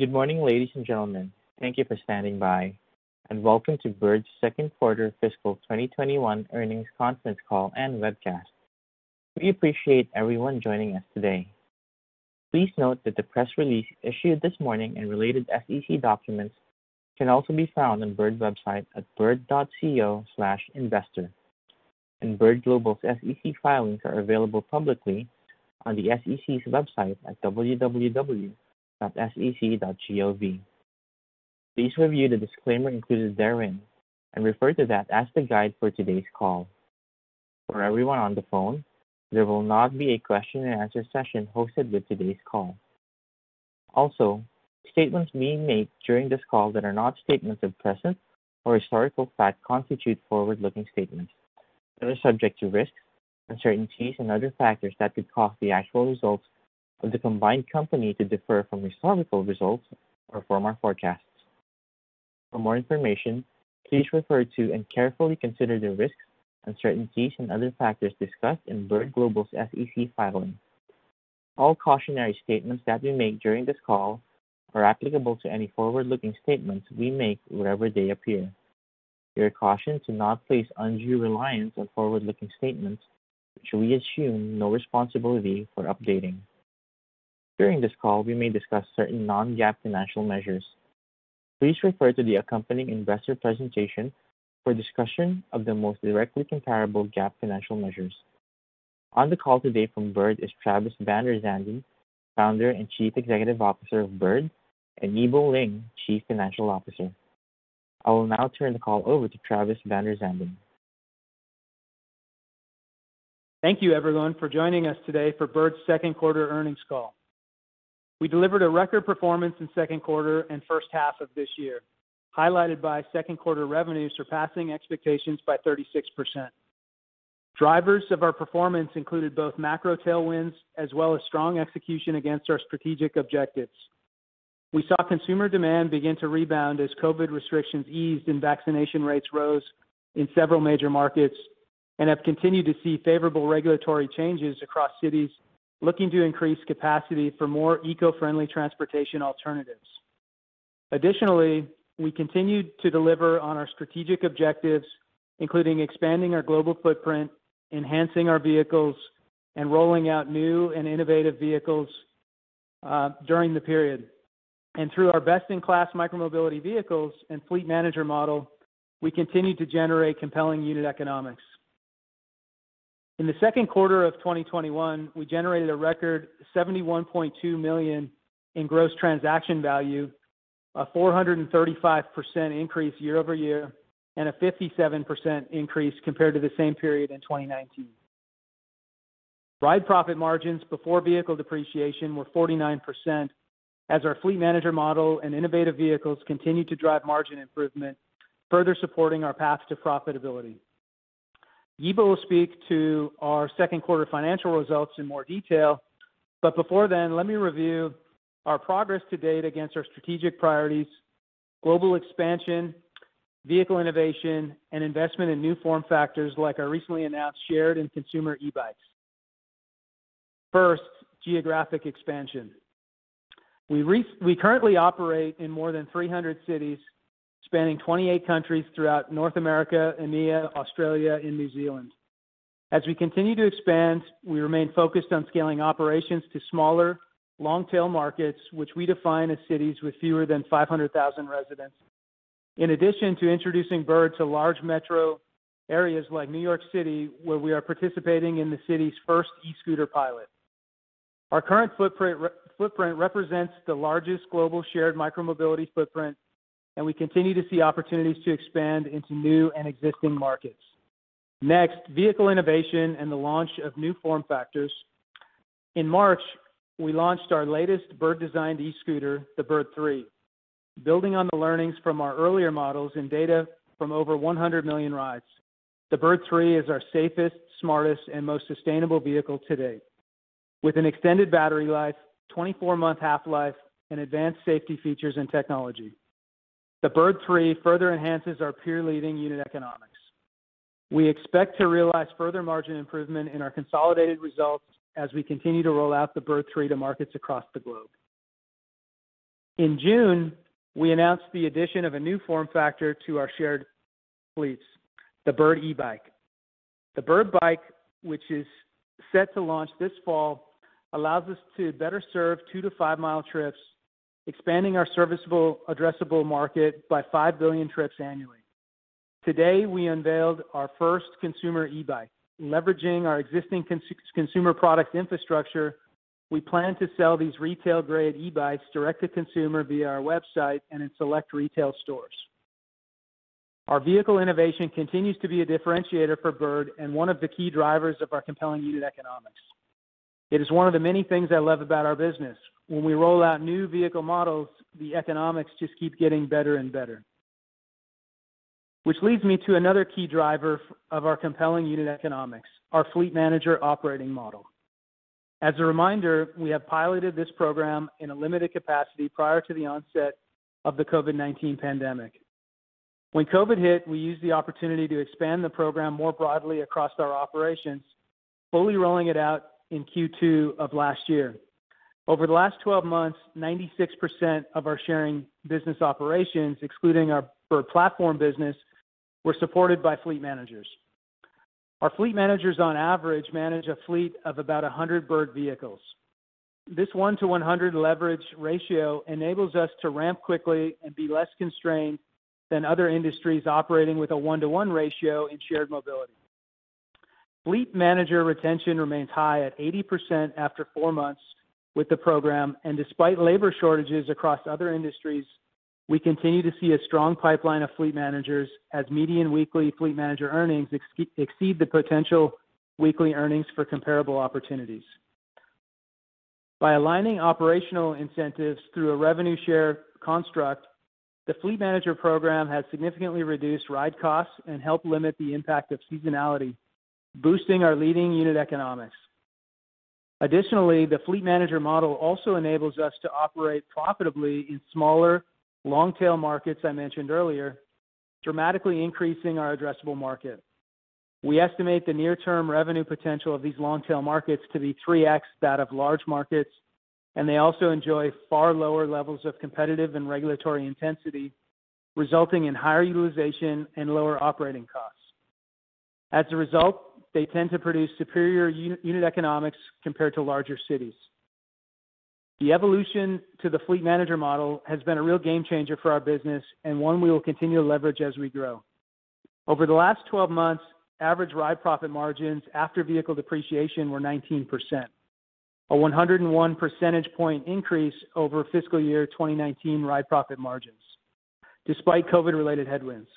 Good morning, ladies and gentlemen. Thank you for standing by, and welcome to Bird's second quarter fiscal 2021 earnings conference call and webcast. We appreciate everyone joining us today. Please note that the press release issued this morning and related SEC documents can also be found on Bird website at bird.co/investor. Bird Global's SEC filings are available publicly on the SEC's website at www.sec.gov. Please review the disclaimer included therein, and refer to that as the guide for today's call. For everyone on the phone, there will not be a question and answer session hosted with today's call. Statements being made during this call that are not statements of present or historical fact constitute forward-looking statements that are subject to risks, uncertainties and other factors that could cause the actual results of the combined company to differ from historical results or from our forecasts. For more information, please refer to and carefully consider the risks, uncertainties and other factors discussed in Bird Global's SEC filing. All cautionary statements that we make during this call are applicable to any forward-looking statements we make wherever they appear. You are cautioned to not place undue reliance on forward-looking statements, which we assume no responsibility for updating. During this call, we may discuss certain non-GAAP financial measures. Please refer to the accompanying investor presentation for a discussion of the most directly comparable GAAP financial measures. On the call today from Bird is Travis VanderZanden, Founder and Chief Executive Officer of Bird, and Yibo Ling, Chief Financial Officer. I will now turn the call over to Travis VanderZanden. Thank you, everyone, for joining us today for Bird's second quarter earnings call. We delivered a record performance in second quarter and first half of this year, highlighted by second quarter revenue surpassing expectations by 36%. Drivers of our performance included both macro tailwinds, as well as strong execution against our strategic objectives. We saw consumer demand begin to rebound as COVID restrictions eased and vaccination rates rose in several major markets, have continued to see favorable regulatory changes across cities looking to increase capacity for more eco-friendly transportation alternatives. Additionally, we continued to deliver on our strategic objectives, including expanding our global footprint, enhancing our vehicles, and rolling out new and innovative vehicles, during the period. Through our best-in-class micromobility vehicles and Fleet Manager model, we continued to generate compelling unit economics. In the second quarter of 2021, we generated a record $71.2 million in gross transaction value, a 435% increase year-over-year, and a 57% increase compared to the same period in 2019. Ride profit margins before vehicle depreciation were 49%, as our Fleet Manager model and innovative vehicles continued to drive margin improvement, further supporting our path to profitability. Yibo will speak to our second quarter financial results in more detail, but before then, let me review our progress to date against our strategic priorities, global expansion, vehicle innovation, and investment in new form factors like our recently announced shared and consumer e-bikes. First, geographic expansion. We currently operate in more than 300 cities, spanning 28 countries throughout North America, EMEA, Australia and New Zealand. As we continue to expand, we remain focused on scaling operations to smaller long-tail markets, which we define as cities with fewer than 500,000 residents. In addition to introducing Bird to large metro areas like New York City, where we are participating in the city's first e-scooter pilot. Our current footprint represents the largest global shared micromobility footprint, and we continue to see opportunities to expand into new and existing markets. Next, vehicle innovation and the launch of new form factors. In March, we launched our latest Bird-designed e-scooter, the Bird Three. Building on the learnings from our earlier models and data from over 100 million rides, the Bird Three is our safest, smartest and most sustainable vehicle to date, with an extended battery life, 24-month half-life, and advanced safety features and technology. The Bird Three further enhances our peer-leading unit economics. We expect to realize further margin improvement in our consolidated results as we continue to roll out the Bird Three to markets across the globe. In June, we announced the addition of a new form factor to our shared fleets, the Bird e-bike. The Bird Bike, which is set to launch this fall, allows us to better serve two- to five-mile trips, expanding our serviceable addressable market by five billion trips annually. Today, we unveiled our first consumer e-bike. Leveraging our existing consumer product infrastructure, we plan to sell these retail-grade e-bikes direct-to-consumer via our website and in select retail stores. Our vehicle innovation continues to be a differentiator for Bird and one of the key drivers of our compelling unit economics. It is one of the many things I love about our business. When we roll out new vehicle models, the economics just keep getting better and better. Which leads me to another key driver of our compelling unit economics, our Fleet Manager operating model. As a reminder, we have piloted this program in a limited capacity prior to the onset of the COVID-19 pandemic. When COVID hit, we used the opportunity to expand the program more broadly across our operations, fully rolling it out in Q2 of last year. Over the last 12 months, 96% of our sharing business operations, excluding our Bird Platform business, were supported by Fleet Managers. Our Fleet Managers on average manage a fleet of about 100 Bird vehicles. This 1: 100 leverage ratio enables us to ramp quickly and be less constrained than other industries operating with a 1:1 ratio in shared mobility. Fleet Manager retention remains high at 80% after four months with the program. Despite labor shortages across other industries, we continue to see a strong pipeline of Fleet Managers as median weekly Fleet Manager earnings exceed the potential weekly earnings for comparable opportunities. By aligning operational incentives through a revenue share construct, the Fleet Manager program has significantly reduced ride costs and helped limit the impact of seasonality, boosting our leading unit economics. Additionally, the Fleet Manager model also enables us to operate profitably in smaller long-tail markets I mentioned earlier, dramatically increasing our addressable market. We estimate the near-term revenue potential of these long-tail markets to be 3x that of large markets. They also enjoy far lower levels of competitive and regulatory intensity, resulting in higher utilization and lower operating costs. As a result, they tend to produce superior unit economics compared to larger cities. The evolution to the Fleet Manager model has been a real game changer for our business and one we will continue to leverage as we grow. Over the last 12 months, average ride profit margins after vehicle depreciation were 19%, a 101 percentage point increase over fiscal year 2019 ride profit margins, despite COVID-related headwinds.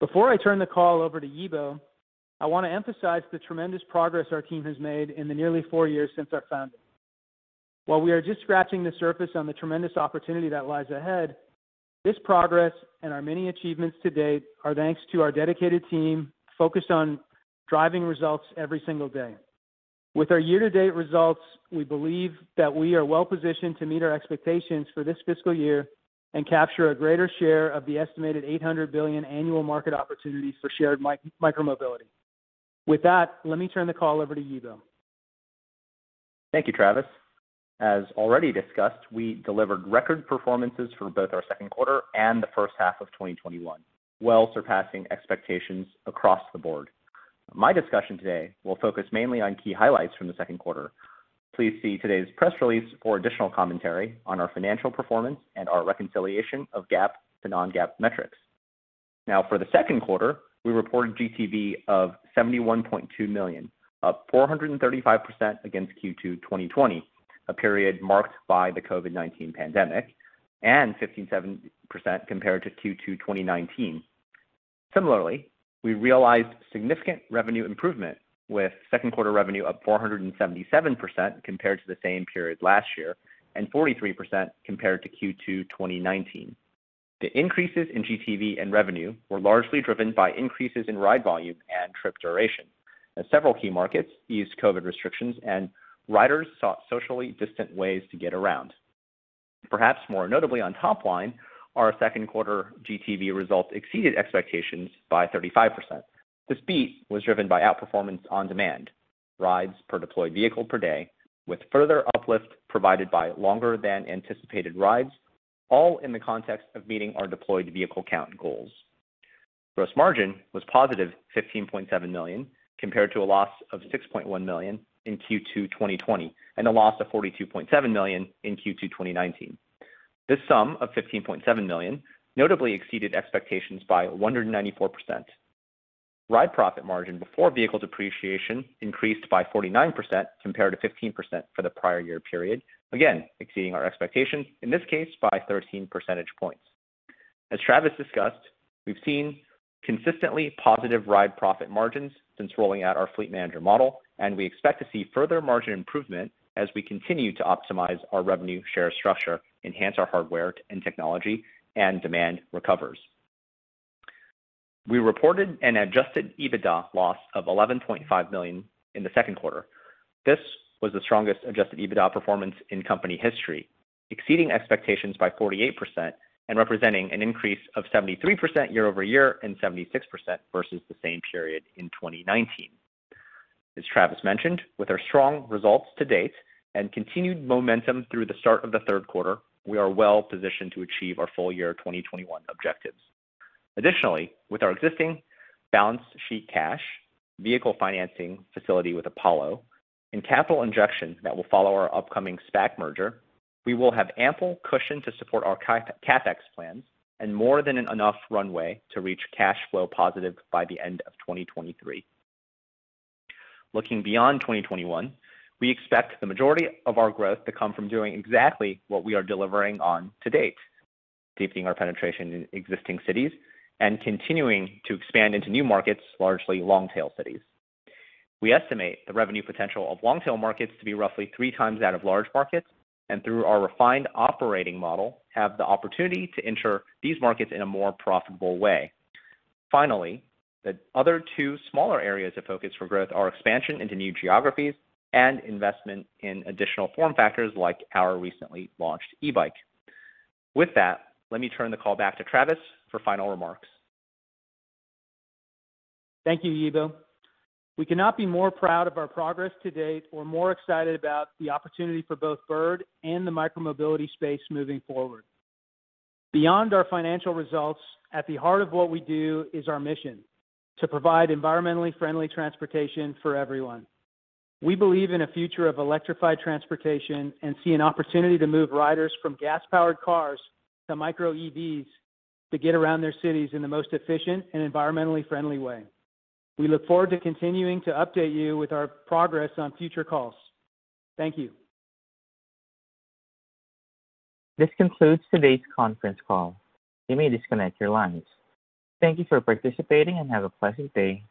Before I turn the call over to Yibo, I want to emphasize the tremendous progress our team has made in the nearly four years since our founding. While we are just scratching the surface on the tremendous opportunity that lies ahead, this progress and our many achievements to date are thanks to our dedicated team focused on driving results every single day. With our year-to-date results, we believe that we are well-positioned to meet our expectations for this fiscal year and capture a greater share of the estimated $800 billion annual market opportunities for shared micromobility. With that, let me turn the call over to Yibo. Thank you, Travis. As already discussed, we delivered record performances for both our second quarter and the first half of 2021, well surpassing expectations across the board. My discussion today will focus mainly on key highlights from the second quarter. Please see today's press release for additional commentary on our financial performance and our reconciliation of GAAP to non-GAAP metrics. For the second quarter, we reported GTV of $71.2 million, up 435% against Q2 2020, a period marked by the COVID-19 pandemic, and 15.7% compared to Q2 2019. Similarly, we realized significant revenue improvement with second quarter revenue up 477% compared to the same period last year and 43% compared to Q2 2019. The increases in GTV and revenue were largely driven by increases in ride volume and trip duration. In several key markets, eased COVID restrictions and riders sought socially distant ways to get around. Perhaps more notably on top line, our second quarter GTV results exceeded expectations by 35%. This beat was driven by outperformance on-demand, rides per deployed vehicle per day, with further uplift provided by longer than anticipated rides, all in the context of meeting our deployed vehicle count goals. Gross margin was positive $15.7 million, compared to a loss of $6.1 million in Q2 2020 and a loss of $42.7 million in Q2 2019. This sum of $15.7 million notably exceeded expectations by 194%. ride profit margin before vehicle depreciation increased by 49% compared to 15% for the prior year period, again, exceeding our expectations, in this case, by 13 percentage points. As Travis discussed, we've seen consistently positive ride profit margins since rolling out our Fleet Manager model, and we expect to see further margin improvement as we continue to optimize our revenue share structure, enhance our hardware and technology, and demand recovers. We reported an adjusted EBITDA loss of $11.5 million in the second quarter. This was the strongest adjusted EBITDA performance in company history, exceeding expectations by 48% and representing an increase of 73% year-over-year and 76% versus the same period in 2019. As Travis mentioned, with our strong results to date and continued momentum through the start of the third quarter, we are well-positioned to achieve our full-year 2021 objectives. Additionally, with our existing balance sheet cash, vehicle financing facility with Apollo, and capital injection that will follow our upcoming SPAC merger, we will have ample cushion to support our CapEx plans and more than enough runway to reach cash flow positive by the end of 2023. Looking beyond 2021, we expect the majority of our growth to come from doing exactly what we are delivering on to date, deepening our penetration in existing cities and continuing to expand into new markets, largely long-tail cities. We estimate the revenue potential of long-tail markets to be roughly three times that of large markets, and through our refined operating model, have the opportunity to enter these markets in a more profitable way. Finally, the other two smaller areas of focus for growth are expansion into new geographies and investment in additional form factors like our recently launched e-bike. With that, let me turn the call back to Travis for final remarks. Thank you, Yibo. We cannot be more proud of our progress to date or more excited about the opportunity for both Bird and the micromobility space moving forward. Beyond our financial results, at the heart of what we do is our mission. To provide environmentally friendly transportation for everyone. We believe in a future of electrified transportation and see an opportunity to move riders from gas-powered cars to micro-EVs to get around their cities in the most efficient and environmentally friendly way. We look forward to continuing to update you with our progress on future calls. Thank you. This concludes today's conference call. You may disconnect your lines. Thank you for participating and have a pleasant day.